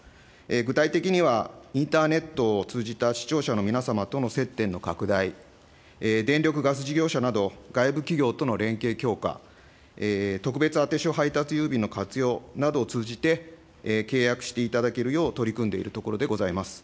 具体的には、インターネットを通じた視聴者の皆様との接点の拡大、電力・ガス事業者など外部企業との連携強化、特別あて所配達郵便の活用などを通じて、契約していただけるよう取り組んでいるところでございます。